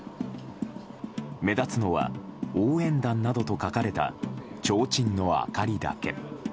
目立つのは応援団などと書かれたちょうちんの明かりだけ。